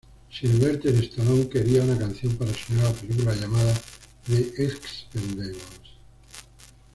Sylvester Stallone quería una canción para su nueva película, llamada The Expendables.